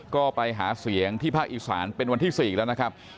ก็ไปหาเสียงที่ภาคอีสานเป็นวันที่๔แล้วนะครับ